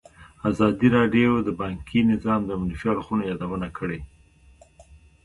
ازادي راډیو د بانکي نظام د منفي اړخونو یادونه کړې.